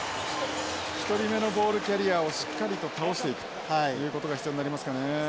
１人目のボールキャリアをしっかりと倒していくということが必要になりますかね。